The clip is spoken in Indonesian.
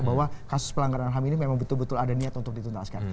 bahwa kasus pelanggaran ham ini memang betul betul ada niat untuk dituntaskan